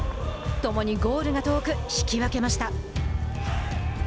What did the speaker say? ともにゴールが遠く引き分けました。